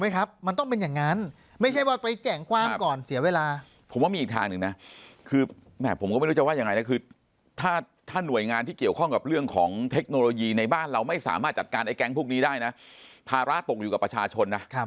เกี่ยวข้องกับเรื่องของเทคโนโลยีในบ้านเราไม่สามารถจัดการไอ้แก๊งพวกนี้ได้นะภาระตกอยู่กับประชาชนนะ